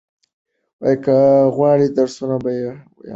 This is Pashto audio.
که ما غواړی درسره به یم یارانو